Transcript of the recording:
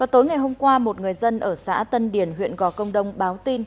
tối ngày hôm qua một người dân ở xã tân điển huyện gò công đông báo tin